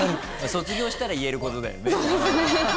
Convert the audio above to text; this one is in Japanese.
卒業したら言えることだよね。